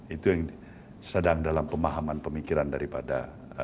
itu yang sedang dalam pemahaman pemikiran daripada